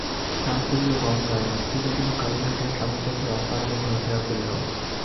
স্নান করিল গঙ্গায়, পূজা দিল কালীঘাটে, ট্রামে চাপিয়া অকারণে ঘোরাফেরা করিল।